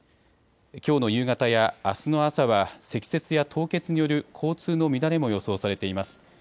きょうの夕方やあすの朝は積雪や凍結による交通の乱れも予想されています。